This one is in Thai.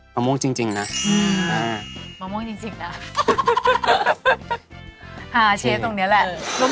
มะม่วงจริงนะอืม